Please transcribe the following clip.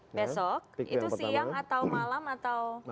besok itu siang atau malam atau